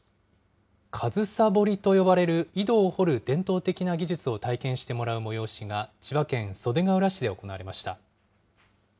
上総掘りと呼ばれる井戸を掘る伝統的な技術を体験してもらう催しが、千葉県袖ケ浦市で行われました。